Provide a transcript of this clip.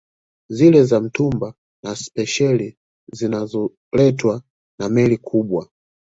Zile za mtumba na spesheli zinazoletwa na Meli kubwa